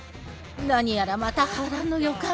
何やらまた波乱の予感。